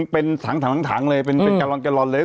เป็นถังเลยเป็นกะลอนเลย